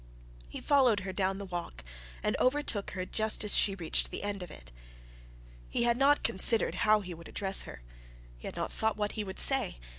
He followed her down the walk, and overtook her just as she reached the end of it. He had not considered how he would address her; he had not thought what he would say.